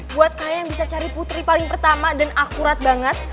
buat saya yang bisa cari putri paling pertama dan akurat banget